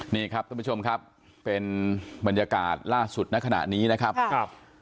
นี่ครับท่านผู้ชมครับเป็นบรรยากาศล่าสุดในขณะนี้นะครับ